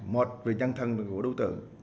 một về nhân thân của đối tượng